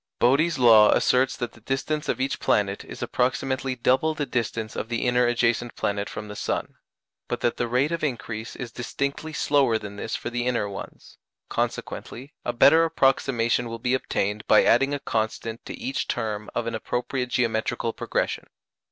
Bode's law asserts that the distance of each planet is approximately double the distance of the inner adjacent planet from the sun, but that the rate of increase is distinctly slower than this for the inner ones; consequently a better approximation will be obtained by adding a constant to each term of an appropriate geometrical progression.